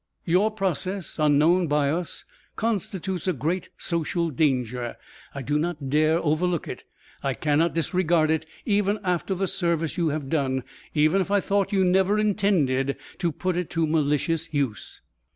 Your process, unknown by us, constitutes a great social danger. I do not dare overlook it. I cannot disregard it even after the service you have done even if I thought you never intended to put it to malicious use."